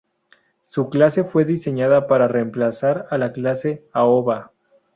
Su clase fue diseñada para reemplazar a la clase "Aoba".